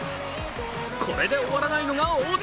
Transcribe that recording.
これで終わらないのが大谷。